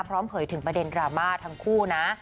เผยถึงประเด็นดราม่าทั้งคู่นะ